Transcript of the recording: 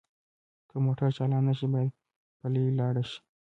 که موټر چالان نه شي باید پلی لاړ شئ